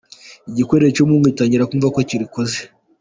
Igikwerere cy'umuhungu gitangira kumva ko kirikoze.